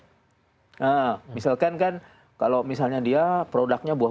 nah misalkan kan kalau misalnya dia produknya buah